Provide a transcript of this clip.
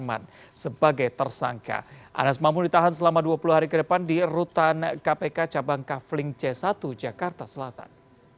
anas mamun ditahan selama dua puluh hari ke depan di rutan kpk cabang kafling c satu jakarta selatan